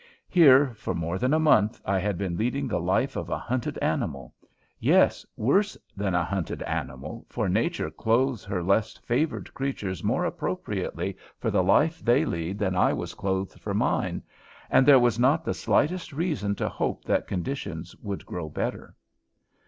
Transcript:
Here, for more than a month, I had been leading the life of a hunted animal yes, worse than a hunted animal, for Nature clothes her less favored creatures more appropriately for the life they lead than I was clothed for mine and there was not the slightest reason to hope that conditions would grow better.